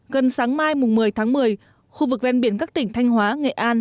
gần sáng mai một mươi tháng một mươi khu vực ven biển các tỉnh thanh hóa nghệ an